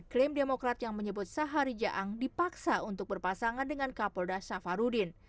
klaim demokrat yang menyebut sahari jaang dipaksa untuk berpasangan dengan kapolda safarudin